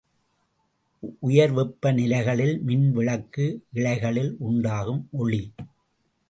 உயர் வெப்ப நிலைகளில் மின் விளக்கு இழைகளில் உண்டாகும் ஒளி.